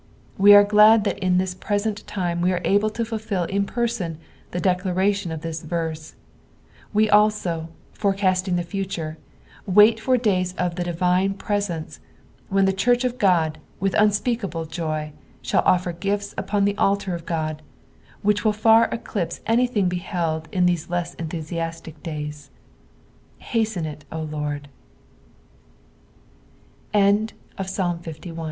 We are glad that in this present time we are able to fulfil in person the declaration of this veree : we ' also, forecasting the future, wait for doys of the divine presence, when the church of Qod, with unspeakable joy, shall oCTer gifts upon the altar of God, which will far eclipse anything beheld in these less enthusiastic days. Hasten it, O Lord, )vGoo'^lc PSALM THE FIFTY Pi